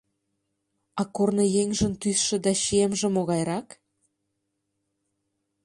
А корныеҥжын тӱсшӧ да чиемже могайрак?